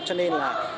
cho nên là